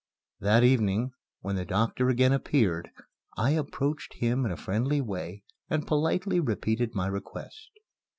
That evening, when the doctor again appeared, I approached him in a friendly way and politely repeated my request.